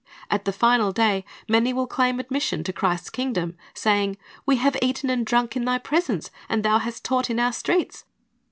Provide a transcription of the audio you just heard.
At the final day, many will claim admission to Christ's kingdom, saying, "We have eaten and drunk in Thy pres ence, and Thou hast taught in our streets."